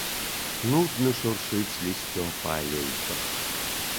Нудна шуршыць лісцё па алейках.